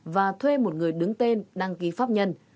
và thuê một người đứng tên đăng ký pháp nhân